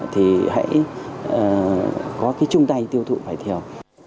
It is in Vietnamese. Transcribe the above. thì hãy có cái chung tay tiêu thụ vài thiếu